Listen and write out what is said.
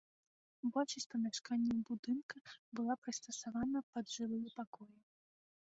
Большасць памяшканняў будынка была прыстасавана пад жылыя пакоі.